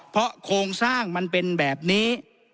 เพราะโครงสร้างมันเป็นแบบนี้